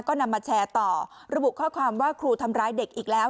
ก็นำมาแชร์ต่อระบุข้อความว่าครูทำร้ายเด็กอีกแล้ว